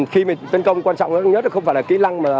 khi mình tấn công quan trọng nhất